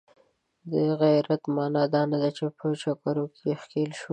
د غیرت معنا دا نه ده چې په جګړو کې ښکیل شو.